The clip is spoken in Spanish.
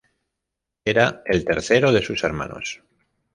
Era el tercero de sus hermanos.